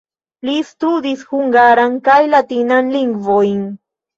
Li studis hungaran kaj latinan lingvojn.